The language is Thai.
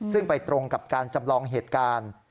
ซึ่งไปตรงกับการจำลองเหตุการณ์